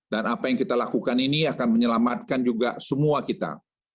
dan apa yang kita lakukan ini akan menyelamatkan juga semua kita